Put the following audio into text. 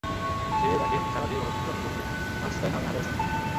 সেই ডাকে সাড়া দিয়ে গণতন্ত্র রক্ষা করতে রাস্তায় নামে হাজারো সমর্থক।